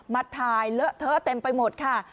มาถ่ายเลอะเทอะเต็มไปหมดค่ะ